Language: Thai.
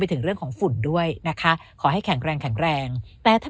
ถึงเรื่องของฝุ่นด้วยนะคะขอให้แข็งแรงแข็งแรงแต่ถ้า